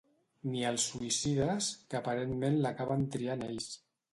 Ni els suïcides, que aparentment l'acaben triant ells.